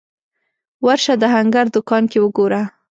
ورشه د هنګر دوکان کې وګوره